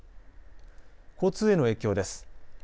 交通への影響です。